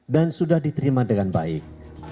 dan sudah diterima dengan baik